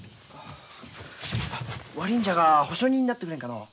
悪いんじゃが保証人になってくれんかのう？